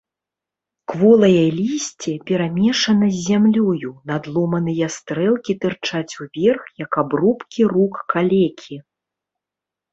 Кволае лісце перамешана з зямлёю, надломаныя стрэлкі тырчаць уверх як абрубкі рук калекі.